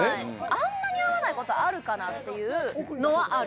あんなに合わない事あるかなっていうのはある。